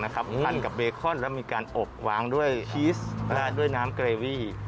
พันกับเบคอนแล้วมีการอบวางด้วยฮีสลาดด้วยน้ำเกรวี่